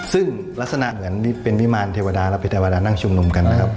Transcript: ซึ่งลักษณะเหมือนเป็นวิมารเทวดาแล้วเป็นเทวดานั่งชุมนุมกันนะครับ